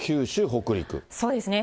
そうですね。